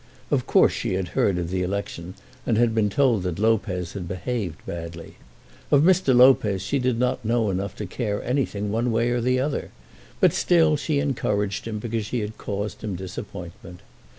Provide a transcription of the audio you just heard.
Of course she had heard of the election, and had been told that Lopez had behaved badly. Of Mr. Lopez she did not know enough to care anything, one way or the other; but she still encouraged him because she had caused him disappointment.